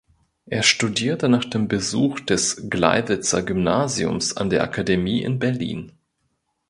Er studierte nach dem Besuch des Gleiwitzer Gymnasiums an der Akademie in Berlin.